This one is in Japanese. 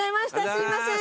すいません。